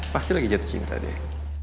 pasti lagi jatuh cinta deh